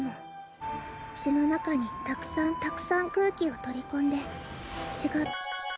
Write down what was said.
「血の中にたくさんたくさん空気を取り込んで」